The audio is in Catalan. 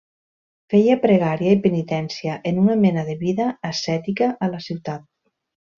Feia pregària i penitència, en una mena de vida ascètica a la ciutat.